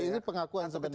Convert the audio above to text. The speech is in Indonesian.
ini pengakuan sebenarnya